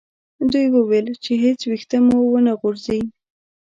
دوی وویل چې هیڅ ویښته مو و نه غورځي.